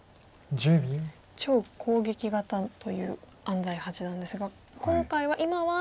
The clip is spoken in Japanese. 超攻撃型という安斎八段ですが今回は今は一旦。